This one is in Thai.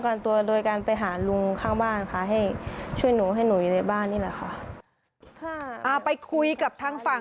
คุณยายบ้างคุณผู้ชมคะ